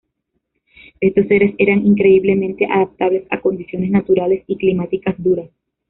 Estos seres eran increíblemente adaptables a condiciones naturales y climáticas duras.